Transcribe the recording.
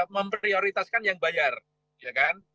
memprioritaskan yang bayar ya kan